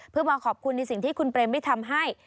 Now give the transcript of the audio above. เพื่อมาขอบคุณในสิ่งที่คุณเปรมไม่ทำให้